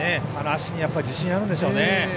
足に自信があるんでしょうね。